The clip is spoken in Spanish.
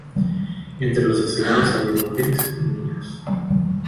Entre los asesinados había mujeres y niños.